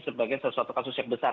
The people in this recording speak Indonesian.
sebagai sesuatu kasus yang besar